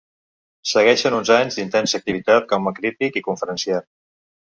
Segueixen uns anys d'intensa activitat com a crític i conferenciant.